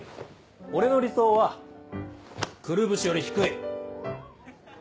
俺の理想はくるぶしより低い。